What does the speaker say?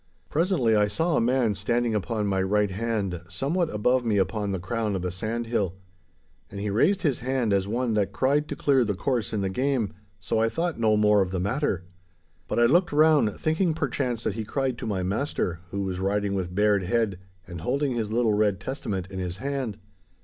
Presently I saw a man standing upon my right hand somewhat above me upon the crown of a sandhill. And he raised his hand as one that cried to clear the course in the game, so I thought no more of the matter. But I looked round, thinking perchance that he cried to my master, who was riding with bared head and holding his little red Testament in his hand.